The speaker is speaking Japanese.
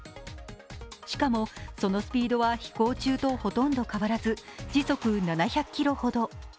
しかも、そのスピードは飛行中とほとんど変わらず時速７００キロほど。